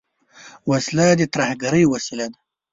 وسله د ترهګرۍ وسیله ده